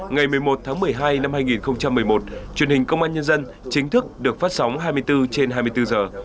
ngày một mươi một tháng một mươi hai năm hai nghìn một mươi một truyền hình công an nhân dân chính thức được phát sóng hai mươi bốn trên hai mươi bốn giờ